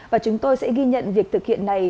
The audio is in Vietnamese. và chúng tôi sẽ ghi nhận việc thực hiện này